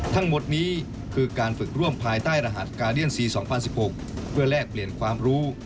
ทั้งหมดนี้คือการฝึกร่วมภายใต้รหัสกาเดียนซี๒๐๑๖เพื่อแลกเปลี่ยนความรู้